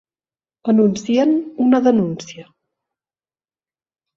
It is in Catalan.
Anuncien una denúncia.